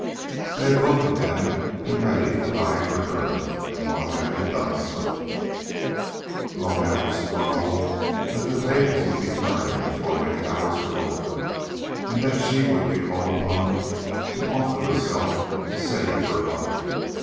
They had both of them been ready to die for her, and one of them had done so; well, now it was probable that the tables would be turned before many hours were over, and that she would be called upon to offer herself to save her lover.